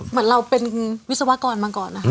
เหมือนเราเป็นวิศวกรมาก่อนนะคะ